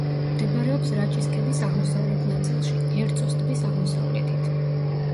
მდებარეობს რაჭის ქედის აღმოსავლეთ ნაწილში, ერწოს ტბის აღმოსავლეთით.